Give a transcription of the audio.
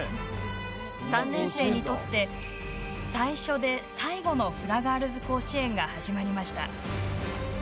３年生にとって、最初で最後のフラガールズ甲子園が始まりました。